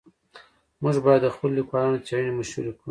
موږ باید د خپلو لیکوالانو څېړنې مشهورې کړو.